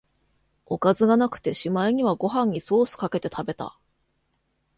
おかずがなくて、しまいにはご飯にソースかけて食べた